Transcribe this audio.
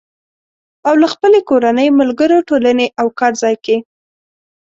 او له خپلې کورنۍ، ملګرو، ټولنې او کار ځای کې